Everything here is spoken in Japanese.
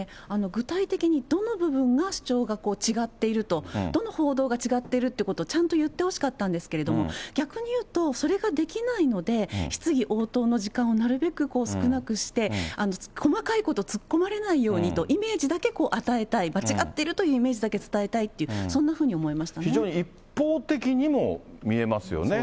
具体的に、どの部分の主張が違っていると、どの報道が違っているってことをちゃんと言ってほしかったんですけれども、逆に言うと、それができないので、質疑応答の時間をなるべく少なくして、細かいこと突っ込まれないようにと、イメージだけ与えたい、間違っているというイメージだけ伝えたいっていう、そんなふうに非常に一方的にも見えますよね。